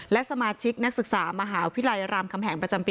และสมาชิกนักศึกษามหาวิทยาลัยรามคำแหงประจำปี